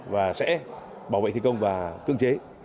và sẽ bảo vệ thi công và cương chế